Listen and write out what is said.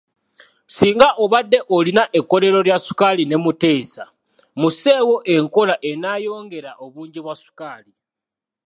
Singa obadde olina ekkolero lya ssukaali ne muteesa musseewo enkola enaayongera obungi bwa ssukaali.